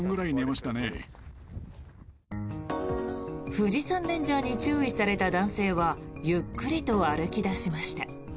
富士山レンジャーに注意された男性はゆっくりと歩き出しました。